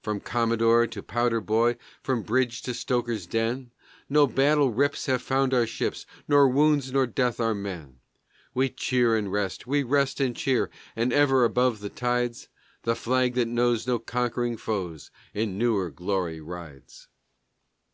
From Commodore to powder boy, from bridge to stoker's den, No battle rips have found our ships, nor wounds nor death our men. We cheer and rest, we rest and cheer; and ever above the tides The flag that knows no conquering foes in newer glory rides.